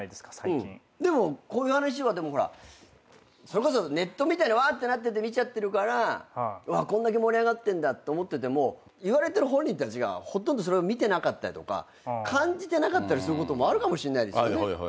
こういう話はでもほらそれこそネットみたいに「わ！」ってなってて見ちゃってるからこんだけ盛り上がってんだって思ってても言われてる本人たちがほとんどそれを見てなかったりとか感じてなかったりすることもあるかもしんないですよね。